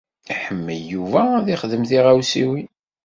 Iḥemmel Yuba ad ixdem tiɣawsiwin.